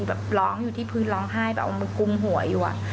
แบบร้องอยู่ที่พื้นร้องไห้แบบเอามือกลุ่มหัวอยู่